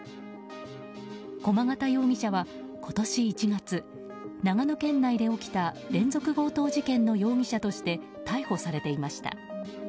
駒形容疑者は今年１月長野県内で起きた連続強盗事件の容疑者として逮捕されていました。